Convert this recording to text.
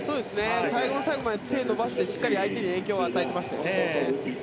最後の最後まで手を伸ばしてしっかり相手に影響を与えていましたね。